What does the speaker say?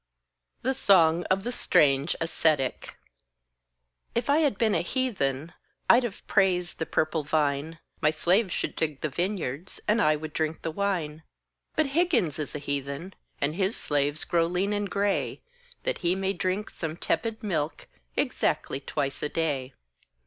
The Song of the Strange Ascetic If I had been a Heathen, I'd have praised the purple vine, My slaves should dig the vineyards, And I would drink the wine; But Higgins is a Heathen, And his slaves grow lean and grey, That he may drink some tepid milk Exactly twice a day.